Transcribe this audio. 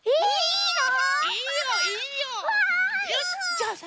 よしじゃあさ